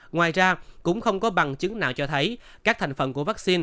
ngoài ra cũng không có bằng chứng nào cho thấy các thành phần của vaccine